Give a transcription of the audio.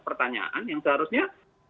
pertanyaan yang seharusnya